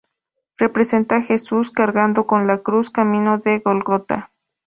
Representa a Jesús cargando con la cruz camino del Gólgota.